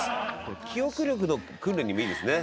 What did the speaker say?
「記憶力の訓練にもいいですね」